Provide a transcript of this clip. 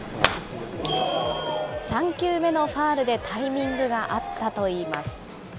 ３球目のファウルでタイミングが合ったといいます。